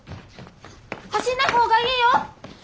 走んない方がいいよ。